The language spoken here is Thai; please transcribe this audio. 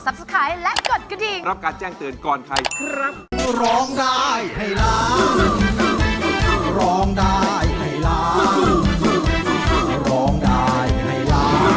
กดกระดิ่งรับการแจ้งเตือนก่อนใครครับ